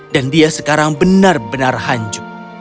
dan dia sekarang benar benar hancur